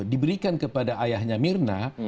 diberikan kepada ayahnya mirna